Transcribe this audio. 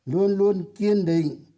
luôn luôn kiên định